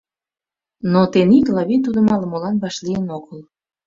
Но тений Клавий тудым ала-молан вашлийын огыл.